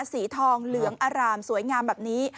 สีทองเหลืองอร่ามสวยงามแบบนี้